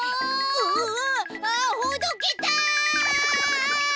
うわああほどけた。